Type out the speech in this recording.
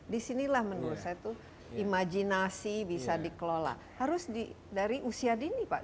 disinilah menurut saya itu imajinasi bisa dikelola harus dari usia dini pak